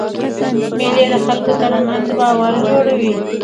مېلې د خلکو ترمنځ باور جوړوي.